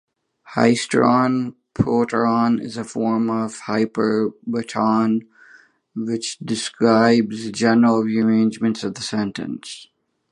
Hysteron proteron is a form of hyperbaton, which describes general rearrangements of the sentence.